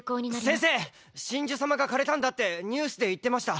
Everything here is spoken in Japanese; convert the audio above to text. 先生神樹様が枯れたんだってニュースで言ってました。